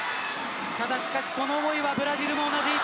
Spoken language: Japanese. ただ、その思いはブラジルも同じ。